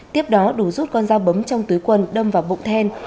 tiếp đó đủ rút con dao bấm trong túi quần đâm vào bụng then